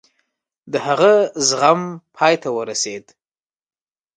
د هغه زغم پای ته ورسېد.